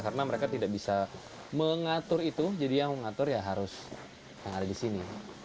karena mereka tidak bisa mengatur itu jadi yang mengatur ya harus yang ada di sini